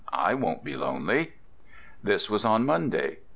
I won't be lonely." This was on Monday.